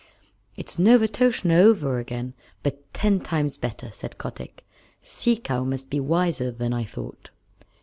"It's Novastoshnah over again, but ten times better," said Kotick. "Sea Cow must be wiser than I thought.